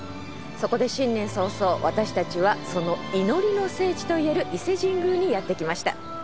そこで新年早々私たちはその祈りの聖地といえる伊勢神宮にやってきました。